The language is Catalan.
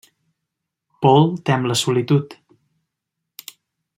Paul tem la solitud.